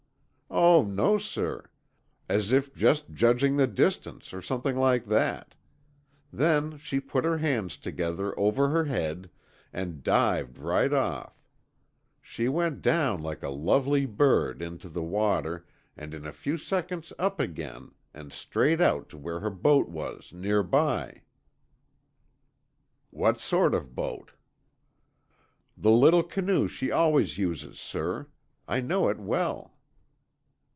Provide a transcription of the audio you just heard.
"Oh, no, sir. As if just judging the distance, or something like that, Then, she put her hands together over her head, and dived right off. She went down like a lovely bird, into the water and in a few seconds up again, and straight out to where her boat was, near by." "What sort of boat?" "The little canoe she always uses, sir. I know it well."